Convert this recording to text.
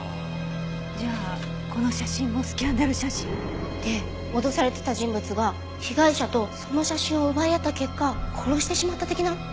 じゃあこの写真もスキャンダル写真？で脅されてた人物が被害者とその写真を奪い合った結果殺してしまった的な？